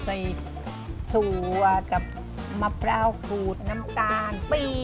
ใส่ถั่วมะเปร้าขูดน้ำตาล